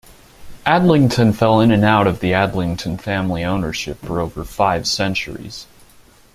Adlington fell in and out of the Adlington family ownership for over five centuries.